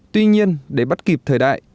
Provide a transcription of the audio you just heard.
tuy nhiên để bắt kịp thời đại